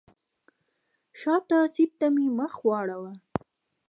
شاته سیټ ته مې مخ واړوه.